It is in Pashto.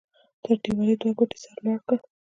تر دیوالۍ دوې ګوتې سر لوړ کړه.